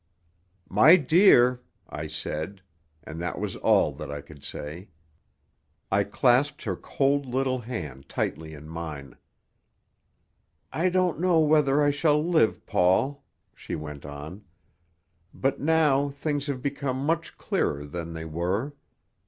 "My dear!" I said; and that was all that I could say. I clasped her cold little hand tightly in mine. "I don't know whether I shall live, Paul," she went on. "But now things have become much clearer than they were.